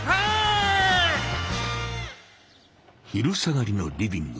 昼下がりのリビング。